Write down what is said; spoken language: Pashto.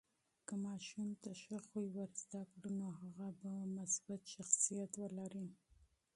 که ماشوم ته نیک اخلاق ورزده کړو، نو هغه به مثبت شخصیت ولري.